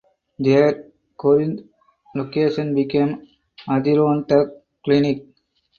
Their "Corinth" location became "Adirondack Clinic".